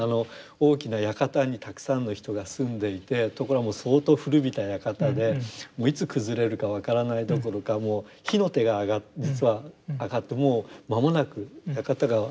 大きな館にたくさんの人が住んでいてところがもう相当古びた館でもういつ崩れるか分からないどころかもう火の手が実は上がってもう間もなく館が。